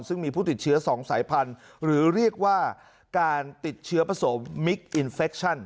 ซึ่งมีผู้ติดเชื้อ๒สายพันธุ์หรือเรียกว่าการติดเชื้อผสมมิคอินเฟคชั่น